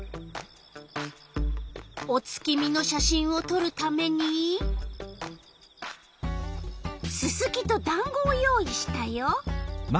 お月見の写真をとるためにススキとだんごを用意したよ。